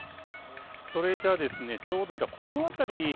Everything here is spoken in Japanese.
それじゃですねちょうどこの辺り。